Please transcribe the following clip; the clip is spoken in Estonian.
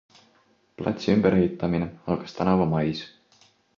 Platsi ümberehitamine algas tänavu mais.